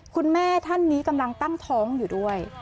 คุณแม่ท่านนี้กำลังตั้งท้องอยู่ด้วย